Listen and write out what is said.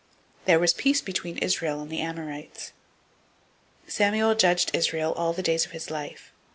There was peace between Israel and the Amorites. 007:015 Samuel judged Israel all the days of his life.